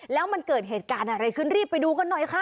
แล้วมันเกิดเหตุการณ์อะไรขึ้นรีบไปดูกันหน่อยค่ะ